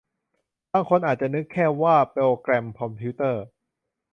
บางคนอาจจะนึกแค่ว่าโปรแกรมคอมพิวเตอร์